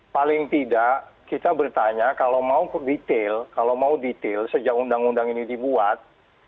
paling tidak kita bertanya kalau mau detail kalau mau detail sejak undang undang ini dibuat